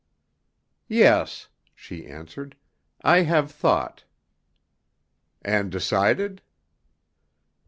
"Yes," she answered, "I have thought." "And decided?"